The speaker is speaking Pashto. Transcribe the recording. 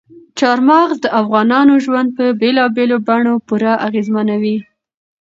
چار مغز د افغانانو ژوند په بېلابېلو بڼو پوره اغېزمنوي.